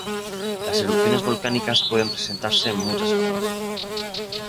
Las erupciones volcánicas pueden presentarse en muchas formas.